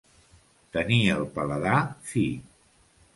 Tenir el paladar fi.